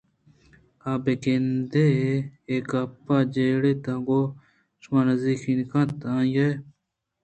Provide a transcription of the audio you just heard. آ بہ گند ئے اے گپ ءَ جیڑیت ءُگوں شمانزّیکی نہ کنت کہ آئی ءِ دلءَ بناربسءِ قاصدی ءِ کار ءُہُنر بے تام اِنتءُآایشی ءَ وتی دل ءَ شر سرپدنہ بنت